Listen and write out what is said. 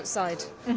うん。